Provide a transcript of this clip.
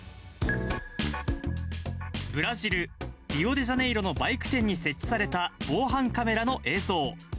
ブラジル・リオデジャネイロのバイク店に設置された防犯カメラの映像。